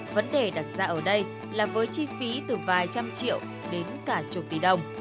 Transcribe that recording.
vấn đề đặt ra ở đây là với chi phí từ vài trăm triệu đến cả chục tỷ đồng